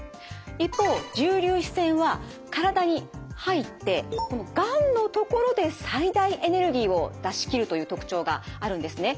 一方重粒子線は体に入ってがんの所で最大エネルギーを出し切るという特徴があるんですね。